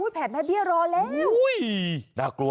แผ่นแมล์เบี้ยรอแล้ว